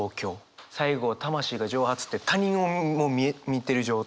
最後「魂が蒸発」って他人もう見てる状態。